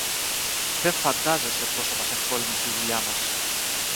Δε φαντάζεσαι πόσο μας ευκόλυνες τη δουλειά μας